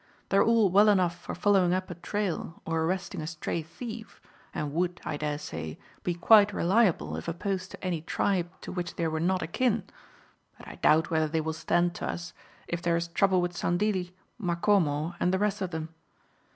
They are all well enough for following up a trail or arresting a stray thief, and would, I dare say, be quite reliable if opposed to any tribe to which they were not akin, but I doubt whether they will stand to us if there is trouble with Sandilli, Macomo, and the rest of them.